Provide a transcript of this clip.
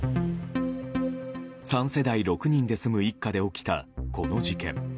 ３世代６人で住む一家で起きたこの事件。